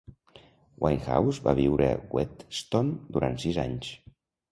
Winehouse va viure a Whetstone durant sis anys.